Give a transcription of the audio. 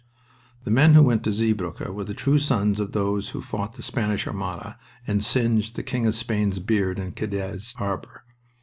The men who went to Zeebrugge were the true sons of those who fought the Spanish Armada and singed the King o' Spain's beard in Cadiz harbor.